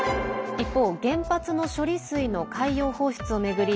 一方、原発の処理水の海洋放出を巡り